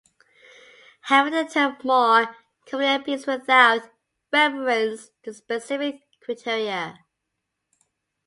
However, the term more commonly appears without reference to specific criteria.